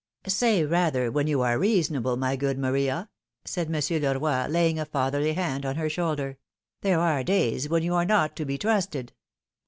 " Say rather when you are reasonable, my good Maria," said Monsieur Leroy, laying a fatherly hand on her shoulder ;" there are days when you are not to be trusted."